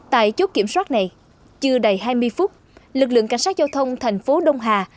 tại chốt kiểm soát này chưa đầy hai mươi phút lực lượng cảnh sát giao thông thành phố đông hà